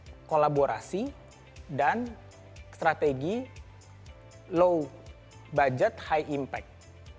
kita bisa melakukan kolaborasi dan strategi low budget high impact